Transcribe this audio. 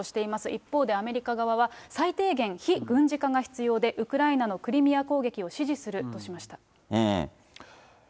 一方でアメリカ側は、最低限、非軍事化が必要で、ウクライナのクリミア攻撃を支持するとしました。